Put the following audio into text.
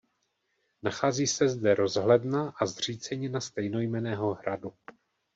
Nachází se zde rozhledna a zřícenina stejnojmenného hradu.